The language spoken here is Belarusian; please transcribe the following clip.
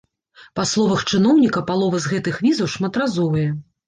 Па словах чыноўніка, палова з гэтых візаў шматразовыя.